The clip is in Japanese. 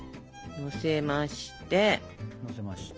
のせました！